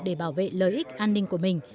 để bảo vệ lợi ích an ninh của mình